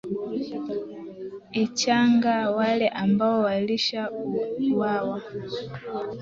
ichanga wale ambao walishauwawa